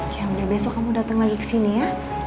jangan lupa besok kamu datang lagi ke sini ya